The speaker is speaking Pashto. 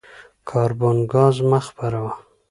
کاربن ګاز مه خپروه.